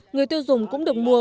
người tiêu dùng cũng được mua